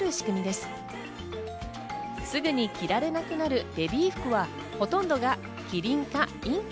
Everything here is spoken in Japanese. すぐに着られなくなるベビー服はほとんどがキリンかインコ。